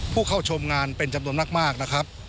ผู้เข้าชมงานเป็นจำนวนมากนะครับ